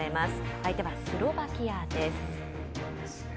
相手はスロバキアです。